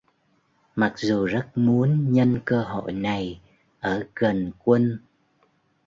Mặc dù rất muốn nhân cơ hội này ở gần quân